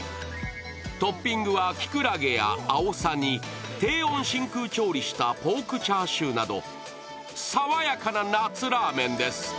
トッピングはきくらげやあおさに低温真空調理したポークチャーシューなど爽やかな夏ラーメンです。